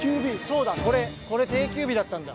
そうだこれこれ定休日だったんだ。